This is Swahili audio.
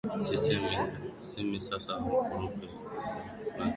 sisemi sasa mkurupuke tunasisitiza hapa kulitafakari kwa makini